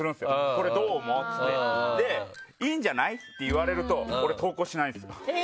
これどう思う？って言っていいんじゃない？って言われると俺、投稿しないんですよ。